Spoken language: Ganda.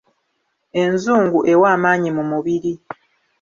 Enzungu ewa amaanyi mu mubiri .